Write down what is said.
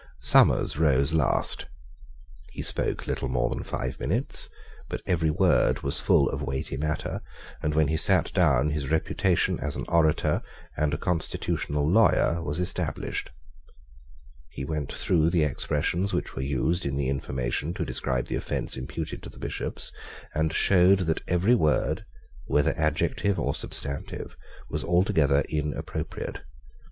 Somers rose last. He spoke little more than five minutes; but every word was full of weighty matter; and when he sate down his reputation as an orator and a constitutional lawyer was established. He went through the expressions which were used in the information to describe the offence imputed to the Bishops, and showed that every word, whether adjective or substantive, was altogether inappropriate.